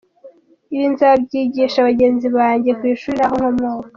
Ibi nzabyigisha bagenzi banjye ku ishuri n’aho nkomoka.